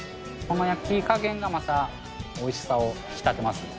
この焼き加減がまたおいしさを引き立てますね。